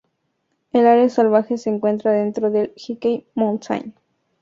El área salvaje se encuentra dentro del Hickey Mountain.